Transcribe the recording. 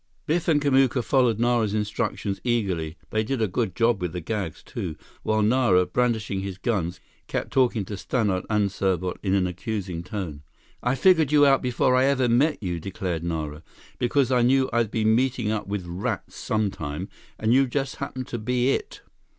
Biff and Kamuka followed Nara's instructions eagerly. They did a good job with the gags, too, while Nara, brandishing his guns, kept talking to Stannart and Serbot in an accusing tone. "I figured you out before I ever met you," declared Nara, "because I knew I'd be meeting up with rats some time, and you just happened to be it.